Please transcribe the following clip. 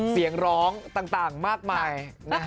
เสียงร้องต่างมากมาย